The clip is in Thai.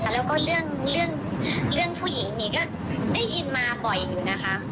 แล้วก็เรื่องเรื่องเรื่องผู้หญิงนี่ก็ได้ยินมาบ่อยอยู่นะคะ